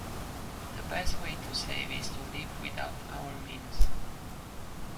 The best way to save is to live without our means.